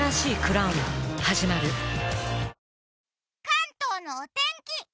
関東のお天気